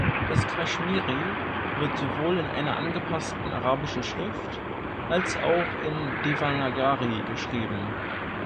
Das Kashmiri wird sowohl in einer angepassten arabischen Schrift als auch in Devanagari geschrieben.